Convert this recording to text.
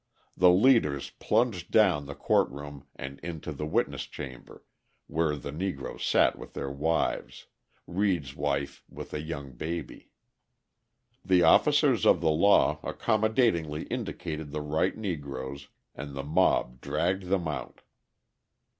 The leaders plunged down the court room and into the witness chamber, where the Negroes sat with their wives, Reed's wife with a young baby. The officers of the law accommodatingly indicated the right Negroes, and the mob dragged them out.